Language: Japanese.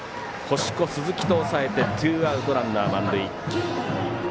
星子、鈴木と抑えてツーアウト、ランナー満塁。